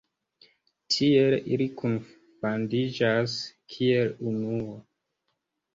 Tiel ili kunfandiĝas kiel unuo.